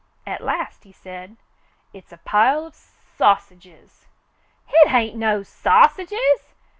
At last he said :— "It's a pile of s — sausages." "Hit hain't no sausages.